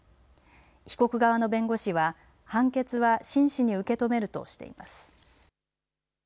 被告側の弁護士は判決は真摯に受け止めるとしています。